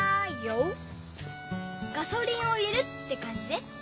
ガソリンを入れるってかんじね。